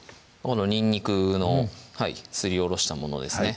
にんにくのすりおろしたものですね